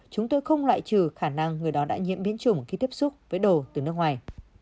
chúng tôi không loại trừ khả năng người đó đã nhiễm biến chủng khi tiếp xúc với đồ từ nước ngoài